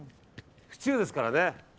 府中ですからね。